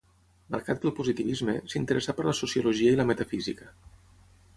Marcat pel positivisme, s'interessà per la sociologia i la metafísica.